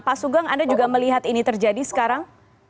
pak sugeng anda juga melihat ini terjadi sekarang